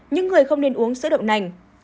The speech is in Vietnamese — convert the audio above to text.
những người không nên uống sữa đậu nành